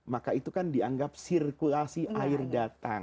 maka itu kan dianggap sirkulasi air datang